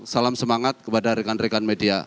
salam semangat kepada rekan rekan media